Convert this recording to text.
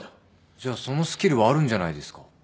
じゃあそのスキルはあるんじゃないですか。